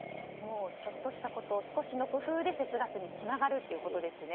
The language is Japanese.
ちょっとしたこと少しの工夫で節ガスにつながるんですね。